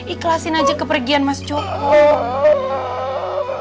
ikhlasin aja kepergian mas joko